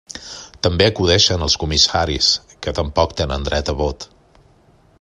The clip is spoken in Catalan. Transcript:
També acudeixen els comissaris, que tampoc tenen dret a vot.